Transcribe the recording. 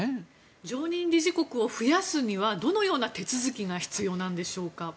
常任理事国を増やすにはどんな手続きが必要なんですか？